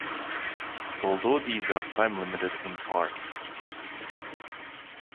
Although these are time limited in part.